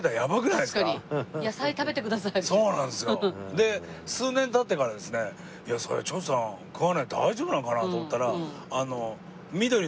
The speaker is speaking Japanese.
で数年経ってからですね長州さん食わないで大丈夫なのかな？と思ったら。